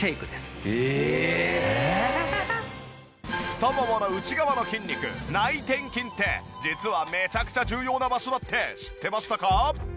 太ももの内側の筋肉内転筋って実はめちゃくちゃ重要な場所だって知ってましたか？